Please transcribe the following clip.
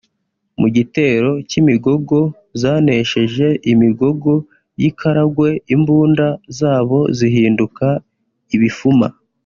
Mu gitero cy’imigogo zanesheje Imigogo y’i Karagwe imbunda zabo zihinduka ibifuma